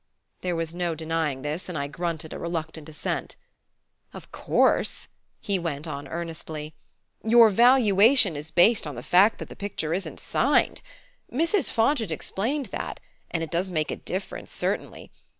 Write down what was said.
There was no denying this, and I grunted a reluctant assent. "Of course," he went on earnestly, "your valuation is based on the fact that the picture isn't signed Mrs. Fontage explained that; and it does make a difference, certainly.